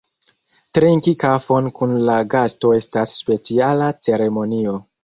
Trinki kafon kun la gasto estas speciala ceremonio.